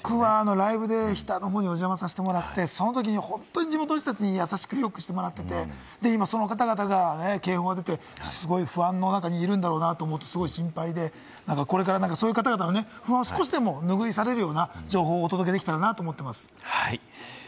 ライブで日田の方にお邪魔させてもらって、地元の方に優しく良くしてもらって、その方々が、警報が出て、すごい不安の中にいるんだろうなと思うと、すごく心配で、そういう方々を不安を少しでも拭い去れるような情報をお届けできたらなと思っています。